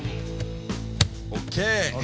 ＯＫ！